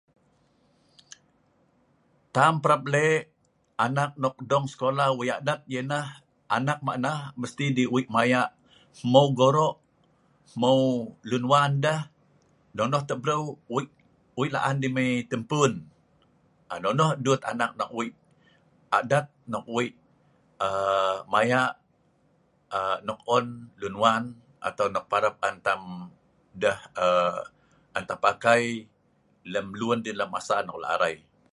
Tam parap le' anak nok dong skola wei' yadat deh nah, anak ma nah ,esti deh wei' maya hmeu goro' hmeu lun wan deh, nonoh tah breu wei', wei' laan deh ,ai tempun um nonoh dut anak ma' wei', adat nok wei' um um maya' um nok on lun ngan atau nok parap an tam deh um tam pakai lem lun lem masa deh parap arai